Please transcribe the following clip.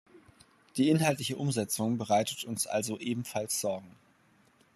Die inhaltliche Umsetzung bereitet uns also ebenfalls Sorgen.